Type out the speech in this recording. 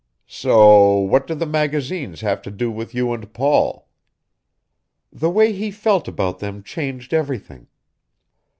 "So what do the magazines have to do with you and Paul?" "The way he felt about them changed everything.